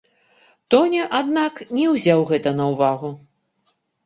Тоня, аднак, не ўзяў гэта на ўвагу.